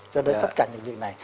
cho nên tất cả những việc này